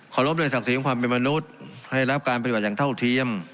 รบด้วยศักดิ์ศรีของความเป็นมนุษย์ให้รับการปฏิบัติอย่างเท่าเทียม